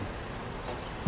masjid ini berbentuk